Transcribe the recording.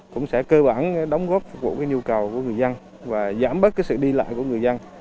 cũng sẽ cơ bản đóng góp phục vụ nhu cầu của người dân và giảm bớt cái sự đi lại của người dân